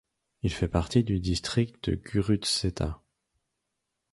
Il fait partie du district de Gurutzeta.